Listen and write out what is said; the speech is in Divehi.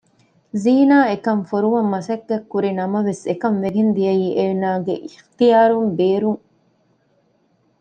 ޒީނާ އެކަން ފޮރުވަން މަސައްކަތް ކުރި ނަމަވެސް އެކަންވެގެން ދިޔައީ އޭނަގެ އިޙްތިޔާރުން ބޭރުން